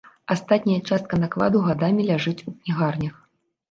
Астатняя частка накладу гадамі ляжыць у кнігарнях.